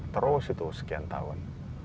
terus itu sekian tahun